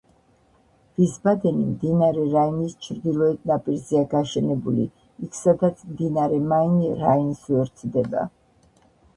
ვისბადენი მდინარე რაინის ჩრდილოეთ ნაპირზეა გაშენებული, იქ, სადაც მდინარე მაინი რაინს უერთდება.